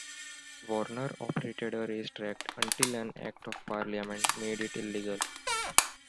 Warner operated a race track until an Act of Parliament made it illegal.